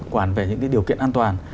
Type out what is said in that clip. quản về những cái điều kiện an toàn